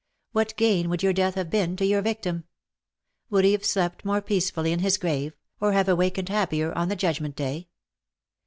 What gain would your death have been to your victim ? Would he have slept more peacefully in his grave, or have awakened happier on the Judgment Day?